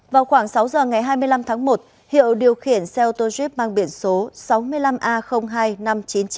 vào khoảng sáu giờ ngày hai mươi năm tháng một hiệu điều khiển xe ô tô jep mang biển số sáu mươi năm a hai năm trăm chín mươi chín